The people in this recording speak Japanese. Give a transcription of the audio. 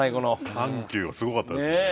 緩急がすごかったですもんね。